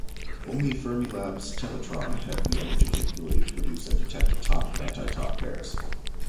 Only Fermilab's Tevatron had the energy capability to produce and detect top anti-top pairs.